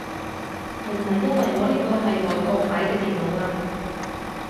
係唔係因為我呢個係外國買嘅電腦啊